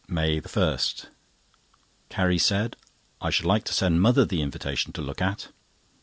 MAY 1.—Carrie said: "I should like to send mother the invitation to look at."